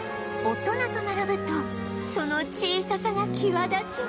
大人と並ぶとその小ささが際立ちます